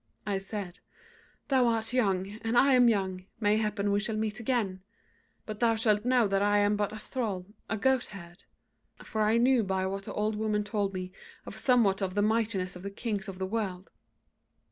I said: 'Thou art young, and I am young; mayhappen we shall meet again: but thou shalt know that I am but a thrall, a goatherd.' For I knew by what the old woman told me of somewhat of the mightiness of the kings of the world.